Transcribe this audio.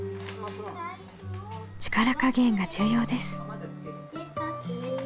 力加減が重要です。